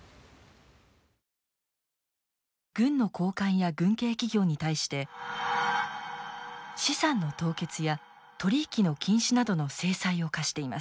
軍の高官や軍系企業に対して資産の凍結や取り引きの禁止などの制裁を科しています。